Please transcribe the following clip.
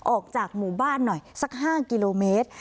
ออกจากหมู่บ้านหน่อยสัก๕กิโลเมตร